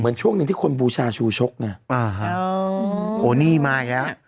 เหมือนช่วงหนึ่งที่คนบูชาชูชกน่ะอ่าฮะอ๋อโอ้นี่มา